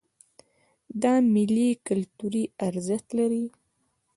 دا میلې کلتوري ارزښت لري.